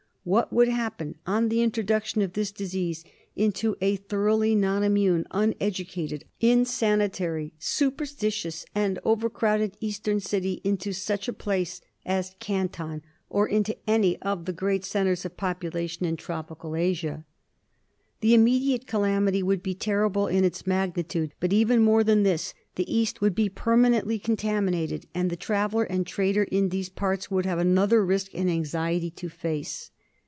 What would happen on the introduction of this disease into a thoroughly non immune, uneducated, insanitary, superstitious and over crowded eastern city, into such a place as Canton, or into any of the great centres of population in tropical Asia ? The immediate calamity would be terrible in its magnitude, but, even more than this, the East would be permanently contaminated and the traveller and trader in these parts would have another risk and anxiety to face.